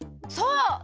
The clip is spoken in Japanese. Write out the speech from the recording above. そう！